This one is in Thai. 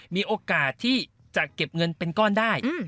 มีโอกาสที่จะเก็บเงินเป็นก้อนได้